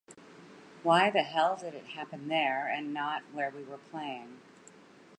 Why the hell did it happen there and not where we were playing?